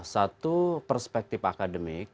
satu perspektif akademik